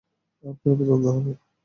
আপনার উপর তদন্ত হবে।